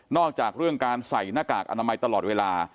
อกจากเรื่องการใส่หน้ากากอนามัยตลอดเวลา